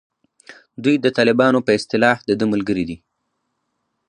دوی د طالبانو په اصطلاح دده ملګري دي.